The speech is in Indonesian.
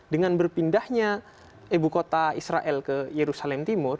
dengan berpindahnya ibu kota israel ke yerusalem timur